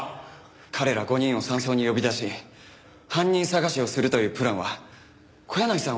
彼ら５人を山荘に呼び出し犯人捜しをするというプランは小柳さん